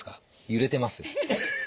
揺れてます。